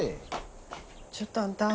ちょっとあんた。